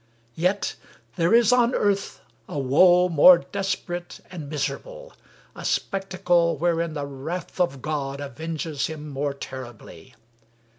Yet there is on earth A woe more desperate and miserable, A spectacle wherein the wrath of God Avenges Him more terribly.